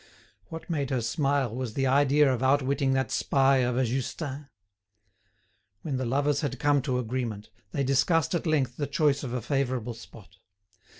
What made her smile was the idea of outwitting that spy of a Justin. When the lovers had come to agreement, they discussed at length the choice of a favourable spot.